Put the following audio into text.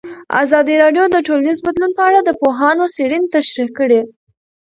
ازادي راډیو د ټولنیز بدلون په اړه د پوهانو څېړنې تشریح کړې.